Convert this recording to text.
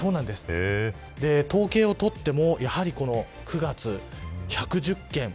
統計を取っても９月１１０件。